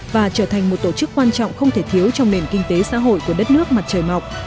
và trở thành một tổ chức quan trọng không thể thiếu trong nền kinh tế xã hội của đất nước mặt trời mọc